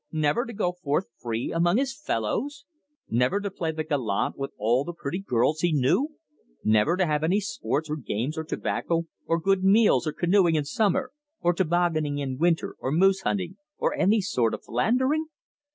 Never to go forth free among his fellows! Never to play the gallant with all the pretty girls he knew! Never to have any sports, or games, or tobacco, or good meals, or canoeing in summer, or tobogganing in winter, or moose hunting, or any sort of philandering!